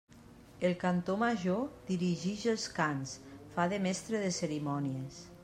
El cantor major dirigix els cants, fa de mestre de cerimònies.